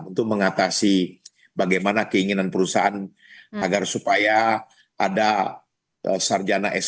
untuk mengatasi bagaimana keinginan perusahaan agar supaya ada sarjana sp